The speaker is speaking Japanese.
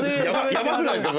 ヤバくないですか？